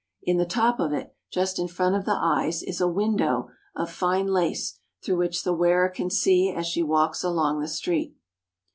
^ In the top of it, just in front of the eyes, is a window of fine lace through which the wearer can see as she walks along the street.